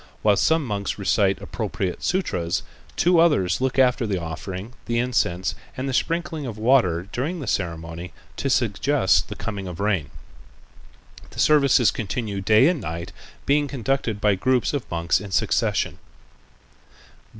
While some monks recite appropriate sutras, two others look after the offerings, the incense, and the sprinkling of water during the ceremony to suggest the coming of rain. The services continue day and night, being conducted by groups of monks in succession.